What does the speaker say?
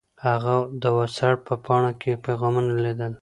هغه د وټس اپ په پاڼه کې پیغامونه لیدل.